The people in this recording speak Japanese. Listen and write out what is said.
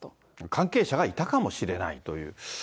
関係者がいたかもしれないという。